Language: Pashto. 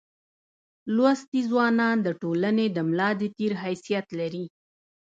لوستي ځوانان دټولني دملا دتیر حیثیت لري.